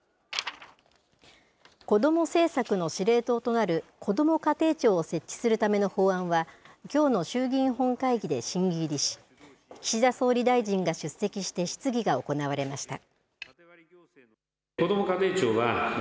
子ども政策の司令塔となるこども家庭庁を設置するための法案は、きょうの衆議院本会議で審議入りし、岸田総理大臣が出席して質疑が行われました。